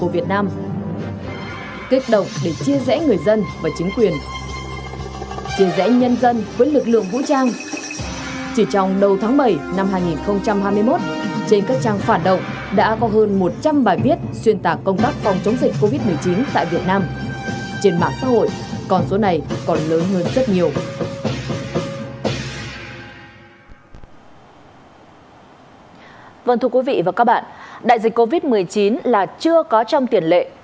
vâng thưa quý vị và các bạn đại dịch covid một mươi chín là chưa có trong tiền lệ